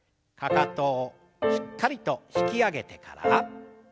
かかとをしっかりと引き上げてから。